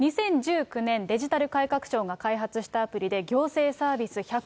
２０１９年、デジタル改革省が開発したアプリで、行政サービス１００％